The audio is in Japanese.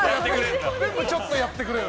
全部ちょっとやってくれる。